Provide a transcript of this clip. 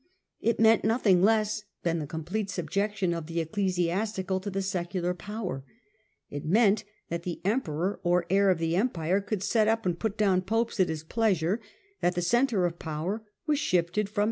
It meant nothing less than the complete subjection of the ecclesiastical to the secular power ; it meant that the emperor, or heir ot the empire, could set up and put down popes at his pleasure; that the centre of power was shifted from^.